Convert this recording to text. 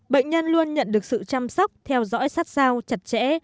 bệnh nhân luôn nhận được sự chăm sóc theo dõi sát sao chặt chẽ